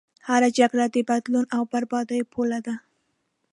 هره جګړه د بدلون او بربادیو پوله ده.